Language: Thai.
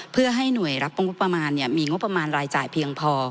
เพื่อให้หน่วยรับงบประมาณมีงบประมาณรายจ่ายเพียงพอ